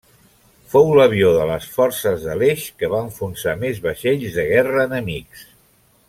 Fou l'avió de les Forces de l'Eix que va enfonsar més vaixells de guerra enemics.